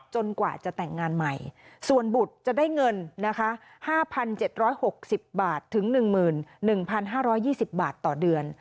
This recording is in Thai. กว่าจะแต่งงานใหม่ส่วนบุตรจะได้เงินนะคะ๕๗๖๐บาทถึง๑๑๕๒๐บาทต่อเดือน